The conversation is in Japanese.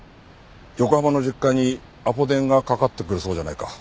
横浜の実家にアポ電がかかってくるそうじゃないか。